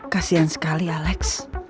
kasian sekali alex